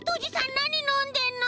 なにのんでんの？